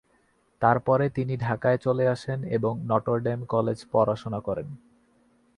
তারপরে তিনি ঢাকায় চলে আসেন এবং নটর ডেম কলেজ পড়াশোনা করেন।